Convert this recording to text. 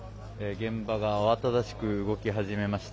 現場が慌ただしく動き始めました。